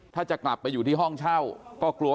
ถ้าจะกลับไปอยู่ที่ห้องเช่าก็กลัว